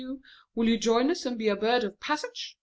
Will you come with us and be a bird of passage?